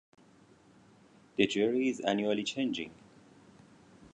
The jury is annually changing.